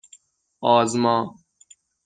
آزما